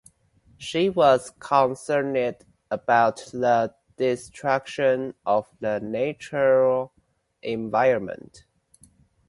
She was concerned about the destruction of the natural environment.